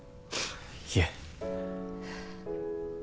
いえ